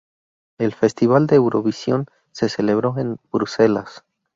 El Festival de Eurovisión se celebró en Bruselas.